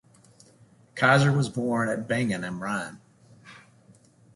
Kayser was born at Bingen am Rhein.